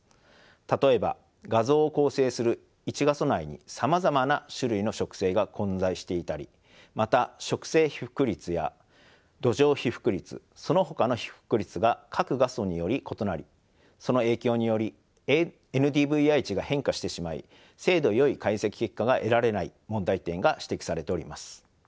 例えば画像を構成する１画素内にさまざまな種類の植生が混在していたりまた植生被覆率や土壌被覆率そのほかの被覆率が各画素により異なりその影響によりＮＤＶＩ値が変化してしまい精度よい解析結果が得られない問題点が指摘されております。